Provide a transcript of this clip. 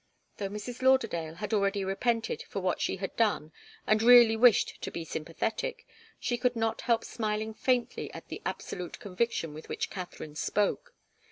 Though Mrs. Lauderdale had already repented of what she had done and really wished to be sympathetic, she could not help smiling faintly at the absolute conviction with which Katharine spoke.